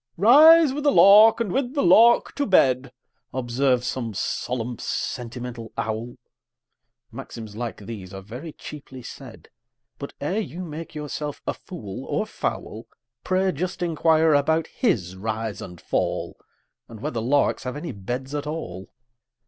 "Rise with the lark, and with the lark to bed," Observes some solemn, sentimental owl; Maxims like these are very cheaply said; But, ere you make yourself a fool or fowl, Pray just inquire about his rise and fall, And whether larks have any beds at all!